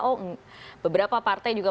oh beberapa partai juga